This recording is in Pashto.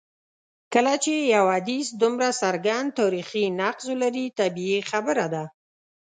کله چي یو حدیث دومره څرګند تاریخي نقص ولري طبیعي خبره ده.